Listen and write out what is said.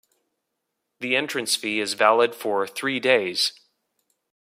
The entrance fee is valid for three days.